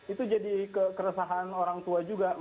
itu jadi keresahan orang tua juga